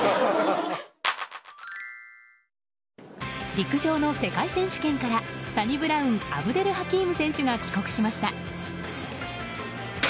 陸上の世界選手権からサニブラウン・アブデルハキーム選手が帰国しました。